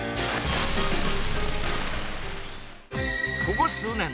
ここ数年